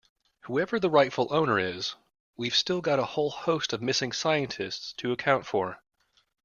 Whoever the rightful owner is we've still got a whole host of missing scientists to account for.